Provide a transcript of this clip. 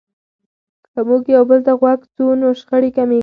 که موږ یو بل ته غوږ سو نو شخړې کمیږي.